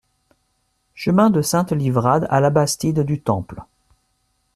Chemin de Sainte-Livrade à Labastide-du-Temple